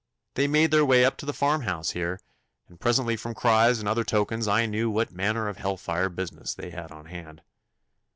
They made their way up to the farmhouse here, and presently from cries and other tokens I knew what manner of hell fire business they had on hand.